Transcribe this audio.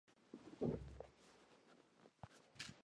Por parte materna es sobrino nieto de Victor Raul Haya de la Torre.